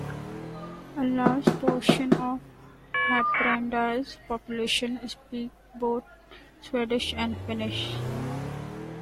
A large portion of Haparanda's population speak both Swedish and Finnish.